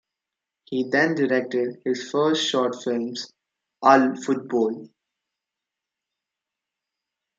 He then directed his first short films: !Al Futbol!